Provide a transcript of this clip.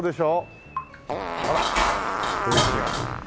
ほら雰囲気が。